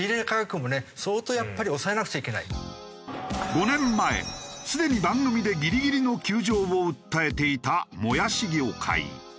５年前すでに番組でギリギリの窮状を訴えていたもやし業界。